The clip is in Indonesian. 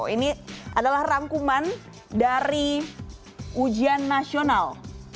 ini adalah rangkuman dari ujian nasional